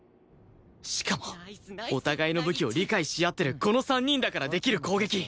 しかもお互いの武器を理解し合ってるこの３人だからできる攻撃！